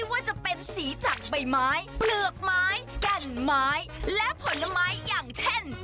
ว่าจะเป็นสีจากใบไม้เปลือกไม้แก่นไม้และผลไม้อย่างเช่น